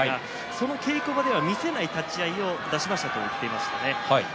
その稽古場では見せない立ち合いを出しましたと言っていました。